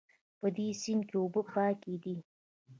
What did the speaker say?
په دې سیند کې اوبه پاکې دي